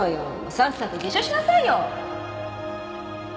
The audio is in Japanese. さっさと自首しなさいよ